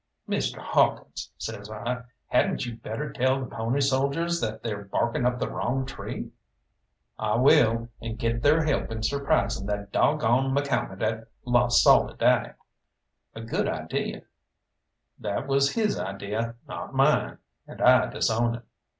"Mr. Hawkins," says I, "hadn't you better tell the pony soldiers that they're barking up the wrong tree?" "I will, and get their help in surprising that dog gone McCalmont at La Soledad. A good idea." That was his idea, not mine, and I disown it.